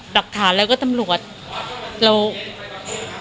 หลักฐานแล้วก็ตำรวจเรา